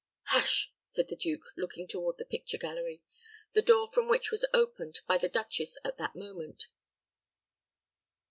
"Hush!" said the duke, looking toward the picture gallery, the door from which was opened by the duchess at that moment.